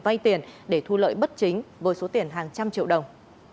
vay tiền để thu lợi bất chính với số tiền hàng trăm triệu đồng